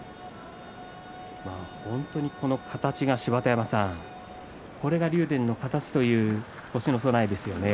この形が、芝田山さんこれが竜電の形という腰の備えでしたね。